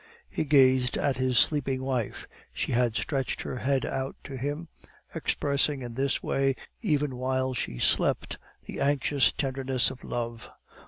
He gazed at his sleeping wife. She had stretched her head out to him, expressing in this way even while she slept the anxious tenderness of love.